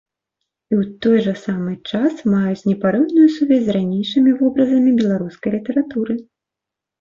І ў той жа самы час маюць непарыўную сувязь з ранейшымі вобразамі беларускай літаратуры.